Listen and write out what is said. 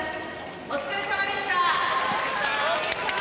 お疲れ様でした。